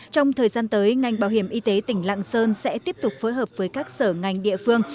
trong thời gian tới ngành bảo hiểm y tế tỉnh lạng sơn sẽ tiếp tục phối hợp với các sở ngành địa phương